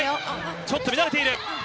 ちょっと乱れている。